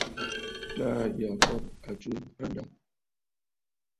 Taà Yacob a tswe andâ.